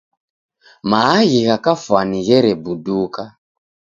Maaghi gha kafwani gherebuduka.